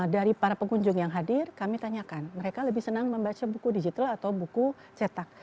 dari para pengunjung yang hadir kami tanyakan mereka lebih senang membaca buku digital atau buku cetak